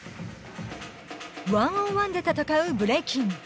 １ｏｎ１で戦うブレイキン。